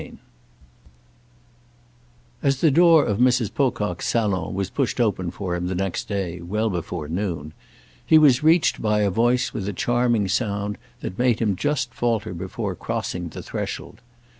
III As the door of Mrs. Pocock's salon was pushed open for him, the next day, well before noon, he was reached by a voice with a charming sound that made him just falter before crossing the threshold.